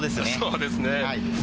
そうですね。